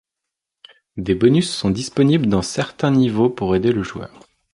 Des bonus sont disponibles dans certains niveaux pour aider le joueur.